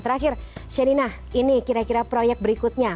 terakhir sherina ini kira kira proyek berikutnya